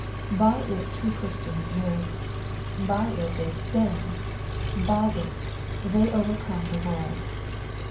By it true Christians live. By it they stand. By it they overcome the world.